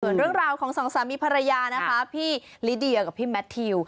ส่วนเรื่องราวของสองสามีภรรยานะคะพี่ลิเดียกับพี่แมททิว